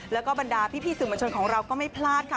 แล้วก็บรรดาพี่สื่อมวลชนของเราก็ไม่พลาดค่ะ